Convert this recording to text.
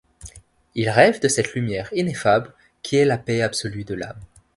Il rêve de cette lumière ineffable qui est la paix absolue de l'âme.